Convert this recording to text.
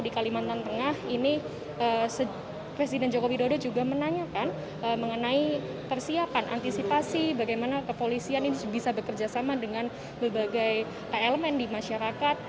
di kalimantan tengah ini presiden joko widodo juga menanyakan mengenai persiapan antisipasi bagaimana kepolisian ini bisa bekerjasama dengan berbagai elemen di masyarakat